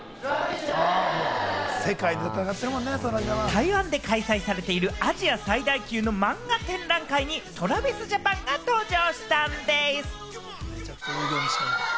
台湾で開催されているアジア最大級の漫画展覧会にＴｒａｖｉｓＪａｐａｎが登場したんでぃす！